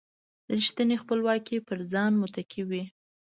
رېښتینې خپلواکي پر ځان متکي وي.